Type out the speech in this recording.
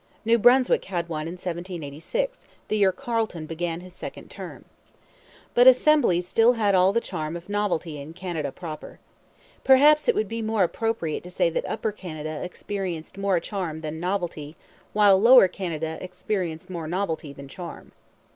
New Brunswick had one in 1786, the year Carleton began his second term. But assemblies still had all the charm of novelty in 'Canada proper.' Perhaps it would be more appropriate to say that Upper Canada experienced more charm than novelty while Lower Canada experienced more novelty than charm.